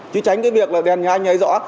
chứ tránh cái việc là đèn nhà anh ấy rõ